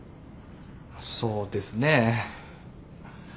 そうですねぇ。